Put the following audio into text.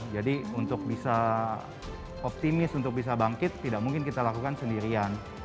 jadi untuk bisa optimis untuk bisa bangkit tidak mungkin kita lakukan sendirian